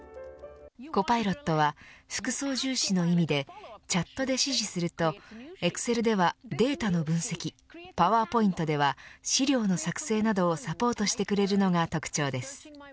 コパイロットは副操縦士の意味でチャットで指示するとエクセルではデータの分析パワーポイントでは資料の作成などをサポートしてくれるのが特徴です。